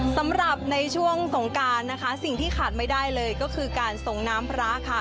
สำหรับในช่วงสงการนะคะสิ่งที่ขาดไม่ได้เลยก็คือการส่งน้ำพระค่ะ